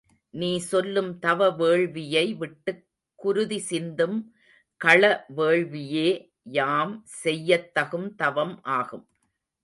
நீ சொல்லும் தவ வேள்வியை விட்டுக் குருதி சிந்தும் கள வேள்வியே யாம் செய்யத் தகும் தவம் ஆகும்.